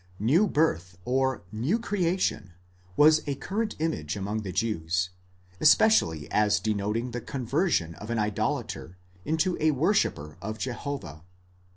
New birth, or new creation, was a current image among the Jews, especially as denoting the conversion of an idolater into a worshipper of Jehovah.